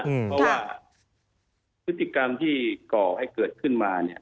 เพราะว่าพฤติกรรมที่ก่อให้เกิดขึ้นมาเนี่ย